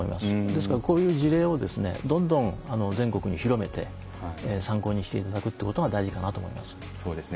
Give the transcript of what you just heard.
ですからこういう事例をどんどん全国に広めて参考にしていただくってことが大事かなと思います。